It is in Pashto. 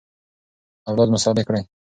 اولاد مو صالح کړئ.